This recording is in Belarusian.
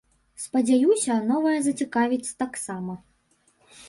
Спадзяюся, новая зацікавіць таксама.